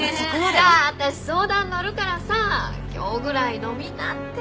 じゃあ私相談のるからさ今日ぐらい飲みなって！